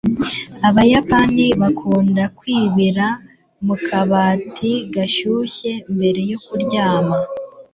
abayapani bakunda kwibira mu kabati gashyushye mbere yo kuryama